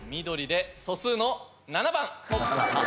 緑で素数の７番。